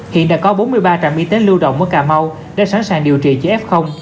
hiện đã có bốn mươi ba trạm y tế lưu động ở cà mau đã sẵn sàng điều trị cho f